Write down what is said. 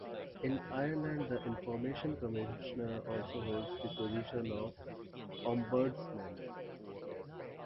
In Ireland, the Information Commissioner also holds the position of Ombudsman.